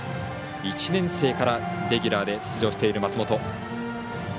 １年生からレギュラーで出場している松本。